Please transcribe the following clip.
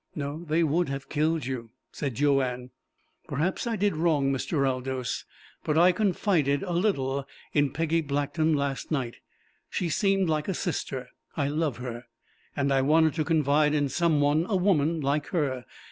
"No, they would have killed you," said Joanne. "Perhaps I did wrong, Mr. Aldous, but I confided a little in Peggy Blackton last night. She seemed like a sister. I love her. And I wanted to confide in some one a woman, like her.